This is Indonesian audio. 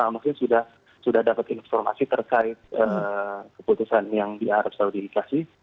maksudnya sudah dapat informasi terkait keputusan yang di arab saudi dikasih